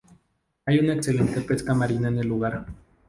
Hay una excelente pesca marina en el lugar.